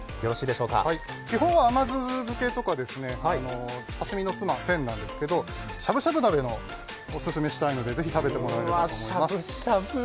基本は甘酢漬けとか刺身のつまなどですが、しゃぶしゃぶダレをおすすめしたいので是非食べていただきたいと思います。